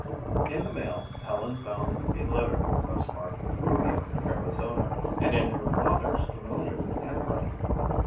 In the mail Helen found a letter postmarked Rubio, Arizona, and in her Father's familiar handwriting.